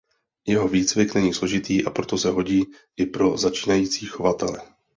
Jeho výcvik není složitý a proto se hodí i pro začínající chovatele.